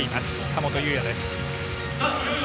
神本雄也です。